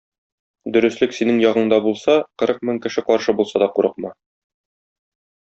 Дөреслек синең ягыңда булса, кырык мең кеше каршы булса да курыкма.